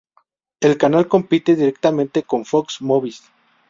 El canal compite directamente con Fox Movies.